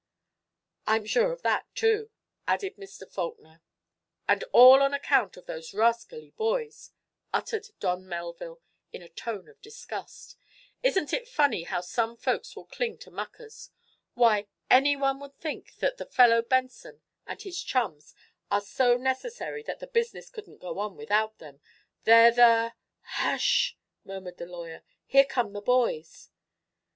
"I'm sure of that, too," added Mr. Faulkner. "And all on account of those rascally boys!" uttered Don Melville, in a tone of disgust. "Isn't it funny how some folks will cling to muckers? Why, anyone would think that the fellow Benson and his chums are so necessary that the business couldn't go on without them. They're the " "Hush!" murmured the lawyer. "Here come the boys."